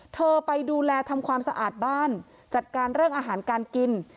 ไปดูแลทำความสะอาดบ้านจัดการเรื่องอาหารการกิน